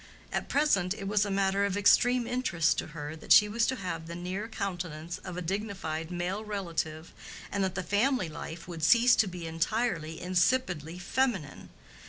At present it was a matter of extreme interest to her that she was to have the near countenance of a dignified male relative, and that the family life would cease to be entirely, insipidly feminine.